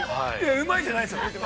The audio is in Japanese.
◆うまいじゃないですよ。